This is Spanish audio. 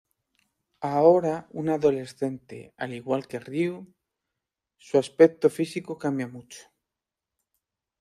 Ahora una adolescente, al igual que Ryu, su aspecto físico cambia mucho.